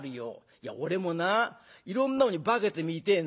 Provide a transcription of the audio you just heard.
いや俺もないろんなものに化けてみてえんだ。